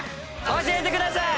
教えてください！